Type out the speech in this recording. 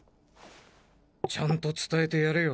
ちゃんと伝えてやれよ。